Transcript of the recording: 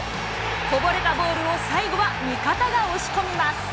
こぼれたボールを、最後は味方が押し込みます。